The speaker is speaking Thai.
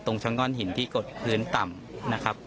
ตรงชั้นก้อนหินที่กดพื้นต่ำนะครับ